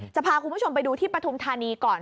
จะพาคุณผู้ชมไปดูที่ปฐุมธานีก่อน